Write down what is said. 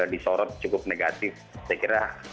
disorot cukup negatif saya kira